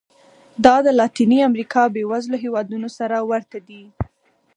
دا د لاتینې امریکا بېوزلو هېوادونو سره ورته دي.